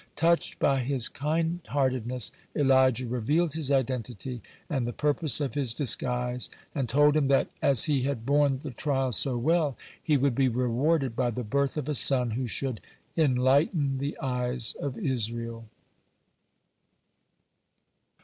Touched by his kind heartedness, Elijah revealed his identity and the purpose of his disguise, and told him that, as he had borne the trial so well, he would be rewarded by the birth of a son who should "enlighten the eyes of Israel."